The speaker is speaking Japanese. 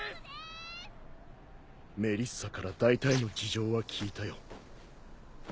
メリッサから大体の事情は聞いたよ。